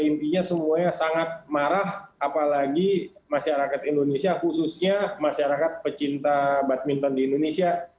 intinya semuanya sangat marah apalagi masyarakat indonesia khususnya masyarakat pecinta badminton di indonesia